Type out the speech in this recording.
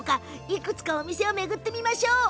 いくつかお店を巡ってみましょう。